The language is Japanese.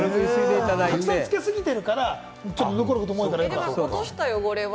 たくさんつけすぎてるから、残ることも多いから。